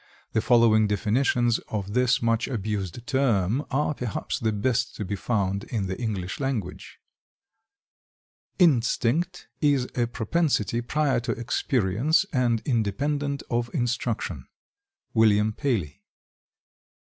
The following definitions of this much abused term are, perhaps, the best to be found in the English language: "Instinct is a propensity prior to experience and independent of instruction."—William Paley.